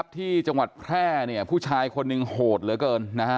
ที่จังหวัดแพร่ผู้ชายคนหนึ่งโหดเหลือเกิน